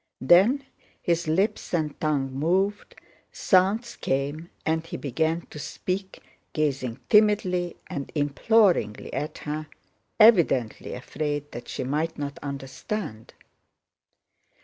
Then his lips and tongue moved, sounds came, and he began to speak, gazing timidly and imploringly at her, evidently afraid that she might not understand.